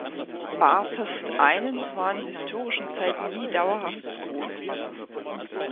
Bathurst Island war in historischen Zeiten nie dauerhaft bewohnt.